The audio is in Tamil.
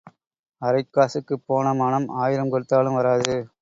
அரைக் காசுக்குப் போன மானம் ஆயிரம் கொடுத்தாலும் வராது.